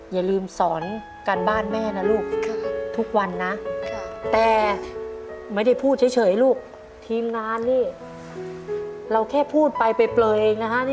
อย่าลืมสอนการบ้านแม่นะลูกทุกวันนะแต่ไม่ได้พูดเฉยลูกทีมงานนี่เราแค่พูดไปเปลยเองนะฮะ